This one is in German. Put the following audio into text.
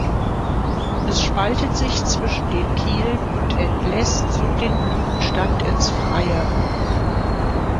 Es spaltet sich zwischen den Kielen und entlässt so den Blütenstand ins Freie.